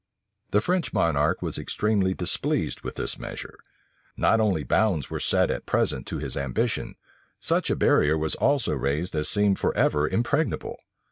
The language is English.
The French monarch was extremely displeased with this measure. Not only bounds were at present set to his ambition; such a barrier was also raised as seemed forever impregnable.